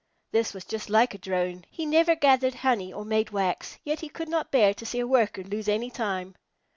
This was just like a Drone. He never gathered honey or made wax, yet he could not bear to see a Worker lose any time.